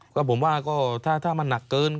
ก็ผมว่าถ้ามันหนักเกินท่าน